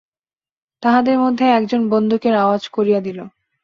তাহাদের মধ্যে একজন বন্দুকের আওয়াজ করিয়া দিল।